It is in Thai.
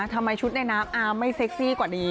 ทำไมชุดในน้ำอาร์ไม่เซ็กซี่กว่านี้